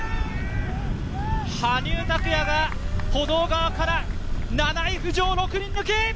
羽生拓矢が歩道側から７位浮上、６人抜き！